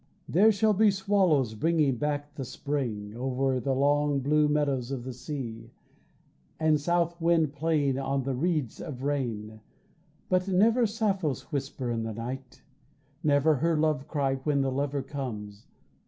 There shall be swallows bringing back the spring Over the long blue meadows of the sea, And south wind playing on the reeds of rain, But never Sappho's whisper in the night, Never her love cry when the lover comes.